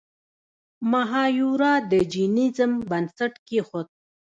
مهایورا د جینیزم بنسټ کیښود.